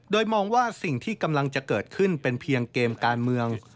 โดยมองว่าสิ่งที่กำลังจะเกิดขึ้นเป็นเพียงเกมการเมือง